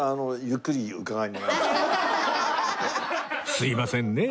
すいませんね。